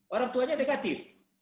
orang tuanya negatif